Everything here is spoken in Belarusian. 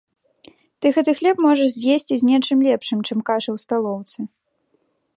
Ты гэты хлеб можаш з'есці з нечым лепшым, чым каша ў сталоўцы.